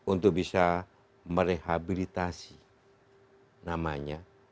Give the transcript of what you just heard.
untuk bisa merehabilitasi namanya